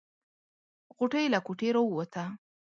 غوټۍ له کوټې راووته.